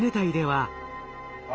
あ！